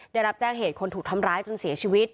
ได้รับแจ้งเหตุคนถูกทำร้ายจนเสียชีวิต